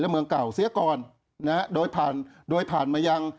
และเมืองเก่าเสียกรโดยผ่านมาอย่าง